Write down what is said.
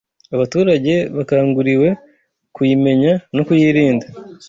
Abaturage bakangurirwe kuyimenya no kuyirinda